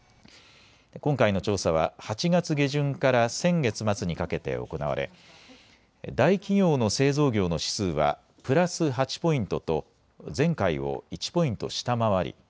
今回の調査は８月下旬から先月末にかけて行われ、大企業の製造業の指数はプラス８ポイントと前回を１ポイント下回り